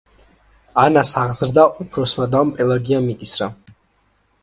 ანას აღზრდა უფროსმა დამ პელაგიამ იკისრა.